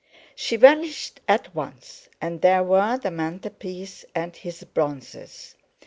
She vanished at once, and there were the mantelpiece and his bronzes.